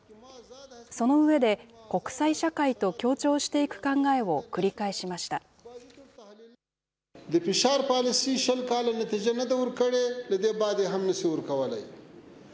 その上で、国際社会と協調していく考えを繰り返しました。